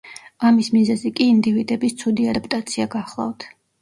ამის მიზეზი კი ინდივიდების ცუდი ადაპტაცია გახლავთ.